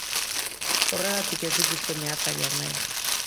Horregatik ez dituzte meatzariak nahi.